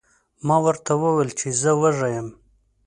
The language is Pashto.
ما ورته وویل چې زه وږی یم.